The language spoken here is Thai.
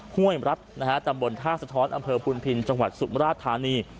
ห้วยรัฐนะฮะตำบลท่าสะท้อนอำเภอพุนพินจังหวัดสุมราชธานี